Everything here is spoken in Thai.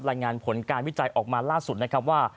รายงานผลการวิจัยออกมาล่าสุดนะครับว่า